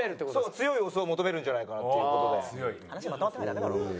強いオスを求めるんじゃないかなっていう事で。